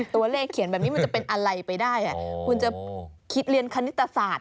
ตัวเลขเขียนแบบนี้มันจะเป็นอะไรไปได้คุณจะคิดเรียนคณิตศาสตร์